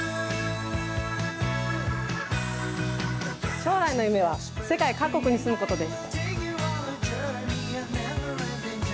将来の夢は世界各国に住むことです。